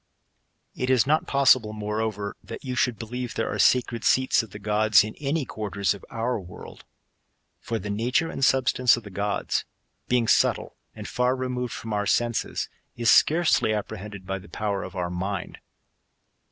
It is not possible, moreqver, that you should believe there ^re sacred seats of the gods in any quarters of our world. For the nature and substance of the gods, being subtle and fair removeld from our senses, is scarcely apprehended by the power of our mind.